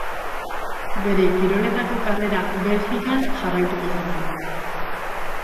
Bere kiroletako karrera Belgikan jarraituko zuen.